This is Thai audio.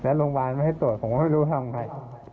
โรงพยาบาลไม่ให้ตรวจผมก็ไม่รู้ทำไง